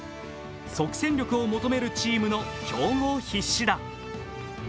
即戦力を求めるチームの競合必至だ。